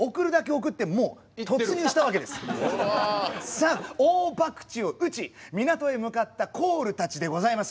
さあ大ばくちを打ち港へ向かったコールたちでございます。